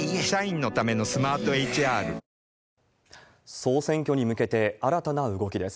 総選挙に向けて新たな動きです。